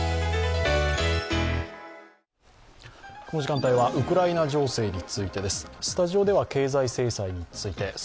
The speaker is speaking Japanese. この時間帯はウクライナ情勢についてです。スタジオでは経済制裁について。